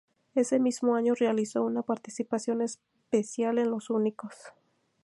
Ese mismo año realizó una participación especial en Los Únicos.